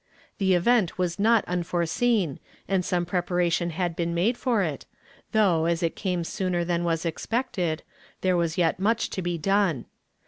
The event was not unforeseen, and some preparation had been made for it, though, as it came sooner than was expected, there was yet much to be done.